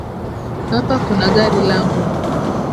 Hapa kuna gari langu